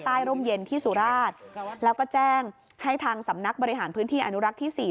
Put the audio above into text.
ร่มเย็นที่สุราชแล้วก็แจ้งให้ทางสำนักบริหารพื้นที่อนุรักษ์ที่๔